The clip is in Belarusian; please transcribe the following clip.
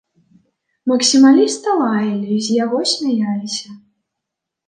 Максімаліста лаялі, з яго смяяліся.